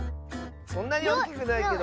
そんなにおおきくないけど。